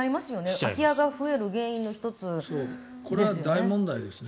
空き家が増える原因の１つですね。